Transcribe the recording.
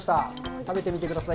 食べてみてください。